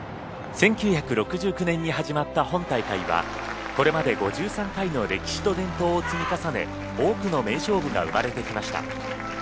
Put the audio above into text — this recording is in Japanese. １９６９年に始まった本大会はこれまで５３回の歴史と伝統を積み重ね多くの名勝負が生まれてきました。